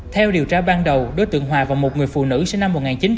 theo điều tra ban đầu đối tượng hòa và một người phụ nữ sinh năm một nghìn chín trăm chín mươi